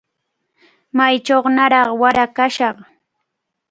Maychawnaraq wara kashaq.